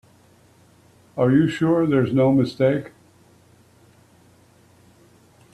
Are you sure there's no mistake?